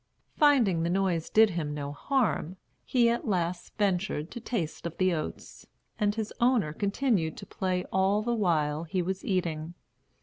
Finding the noise did him no harm, he at last ventured to taste of the oats, and his owner continued to play all the while he was eating.